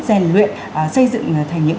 rèn luyện xây dựng thành những